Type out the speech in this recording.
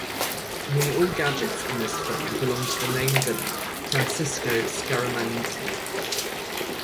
Nearly all gadgets in this film belong to the main villain, Francisco Scaramanga.